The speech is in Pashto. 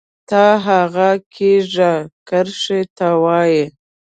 تا هغه کږې کرښې ته وایې